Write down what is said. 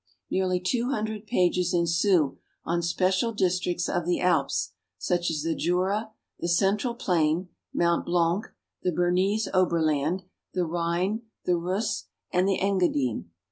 Nearly two hundred pages ensue on special districts of the Alps, such as the Jura, the central plain, Mt Blanc, the Bernese Oberland, the Rhine, the Reuss, and the Engadine.